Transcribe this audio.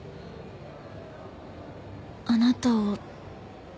あなたを。